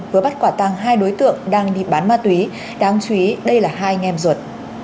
vừa bắt quả tăng hai đối tượng đang đi bán ma túy đáng chú ý đây là hai anh em ruột